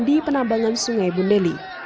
di penambangan sungai bundeli